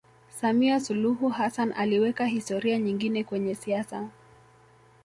samia suluhu hassan aliweka historia nyingine kwenye siasa